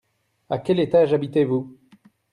À quel étage habitez-vous ?